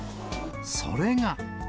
それが。